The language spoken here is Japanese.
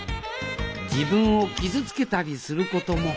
自分を傷つけたりすることもあるようです